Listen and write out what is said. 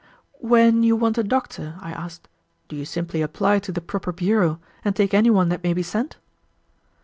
"When you want a doctor," I asked, "do you simply apply to the proper bureau and take any one that may be sent?"